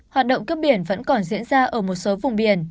hoạt động cướp biển vẫn còn diễn ra ở một số vùng biển